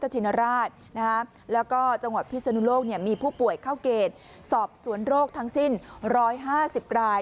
จังหวัดพิศนุโลกมีผู้ป่วยเข้าเกตสอบสวนโรคทั้งสิ้น๑๕๐ราย